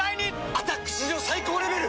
「アタック」史上最高レベル！